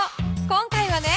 今回はね